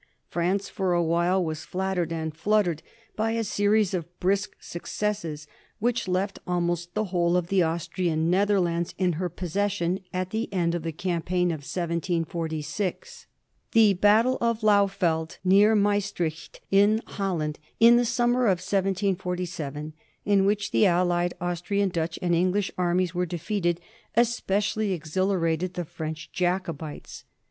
France for a while was flattered and fluttered by a series of brisk successes which left almost the whole of the Aus trian Netherlands in her possession at the end of the cam paign of 1746. The battle of Lauffeld, near Maestricht, in Holland, in the summer of 1747, in which the allied Austrian, Dutch, and English armies were defeated, es pecially exhilarated the French Jacobites.